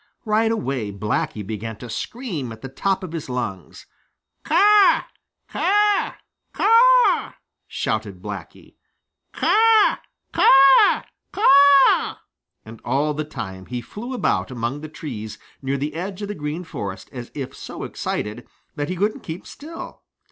Right away Blacky began to scream at the top of his lungs. "Caw, caw, caw!" shouted Blacky. "Caw, caw, caw!" And all the time he flew about among the trees near the edge of the Green Forest as if so excited that he couldn't keep still.